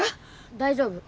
大丈夫。